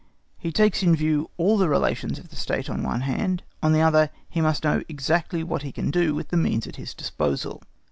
He takes into view all the relations of the State on the one hand; on the other, he must know exactly what he can do with the means at his disposal.